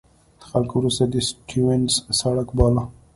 خلکو وروسته د سټیونز سړک باله.